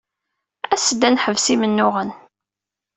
As-d ad neḥbes imennuɣen.